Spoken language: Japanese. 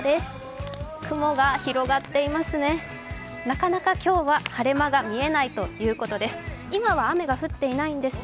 なかなか今日は晴れ間が見えないということです。